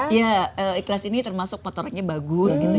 iya iqlas ini termasuk motoriknya bagus gitu